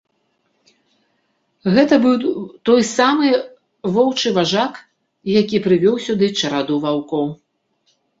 Гэта быў той самы воўчы важак, які прывёў сюды чараду ваўкоў.